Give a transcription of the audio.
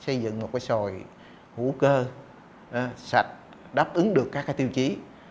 xây dựng một cái xoài hữu cơ sạch đáp ứng được các tiêu chí